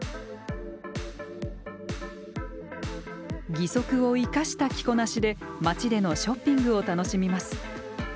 義足を生かした着こなしで街でのショッピングを楽しみます。